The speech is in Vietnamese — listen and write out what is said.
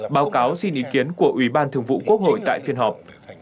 báo cáo xin ý kiến của ủy ban thường vụ quốc hội tại phiên họp